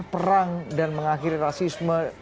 perang dan mengakhiri rasisme